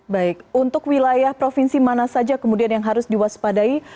baik untuk wilayah provinsi mana saja kemudian yang harus diwaspadai